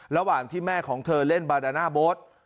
ระหว่างที่แม่ของเธอเล่นบาดาน่าโบ๊ท